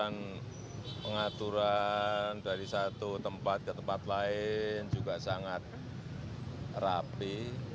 ya manajemennya bagus pengaturan dari satu tempat ke tempat lain juga sangat rapi